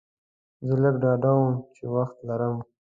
زه لږ ډاډه وم چې وخت لرم.